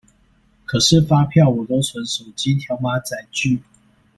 可是發票我都存手機條碼載具